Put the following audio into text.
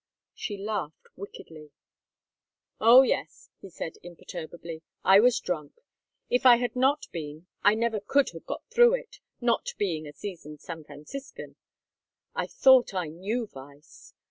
She laughed wickedly. "Oh yes," he said, imperturbably, "I was drunk. If I had not been I never could have got through it, not being a seasoned San Franciscan. I thought I knew vice.